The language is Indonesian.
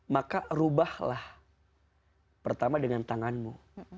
maka rubahlah pertama dengan tanganmu